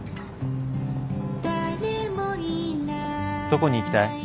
どこに行きたい？